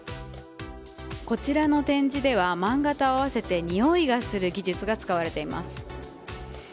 こちらの展示では漫画と合わせてにおいがする技術が使われています。